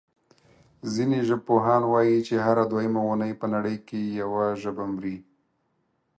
ځینې ژبپوهان وايي چې هره دویمه اوونۍ په نړۍ کې یوه ژبه مري.